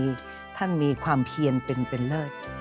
ท่านมีความเพียนเป็นเลิศ